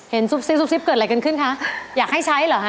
ซุบซิบซุบซิบเกิดอะไรกันขึ้นคะอยากให้ใช้เหรอฮะ